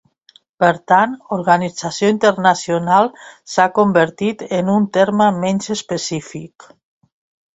Per tant, organització internacional s'ha convertit en un terme menys específic.